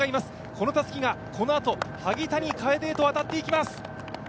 このたすきがこのあと萩谷楓へと渡っていきます。